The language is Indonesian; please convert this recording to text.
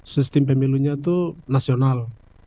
sistem pemilunya itu nasional